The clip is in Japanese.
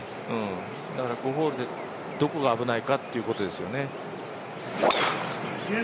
だから５ホールで、どこが危ないかですよね。